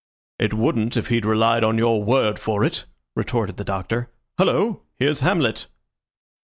"It wouldn't if he'd relied on your word for it," retorted the Doctor. "Hullo! here's Hamlet."